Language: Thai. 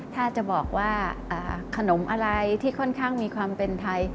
ถ้าจะบอกว่าขนมอะไรที่ค่อนข้างมีความเป็นไทย